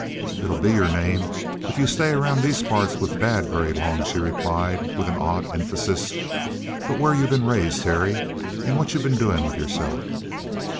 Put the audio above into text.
"It'll be your name if you stay around these parts with Dad very long," she replied, with an odd emphasis. "But where you been raised, Terry? And what you been doing with yourself?"